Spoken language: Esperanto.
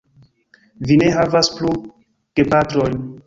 Vi ne havas plu gepatrojn.